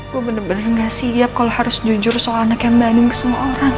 gue bener bener gak siap kalau harus jujur soal anak yang banding semua orang